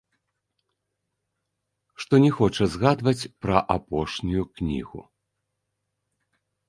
Што не хоча згадваць пра апошнюю кнігу.